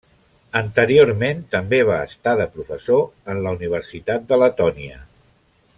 Anteriorment també va estar de professor en la Universitat de Letònia.